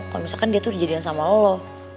kalo misalkan dia tuh di jadian sama lo